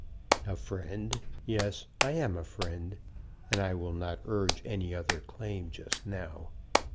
"A friend! Yes, I am a friend; and I will not urge any other claim just now.